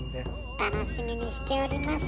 楽しみにしております。